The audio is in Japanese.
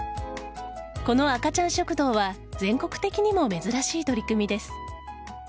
この赤ちゃん食堂は全国的にも珍しい取り組みです。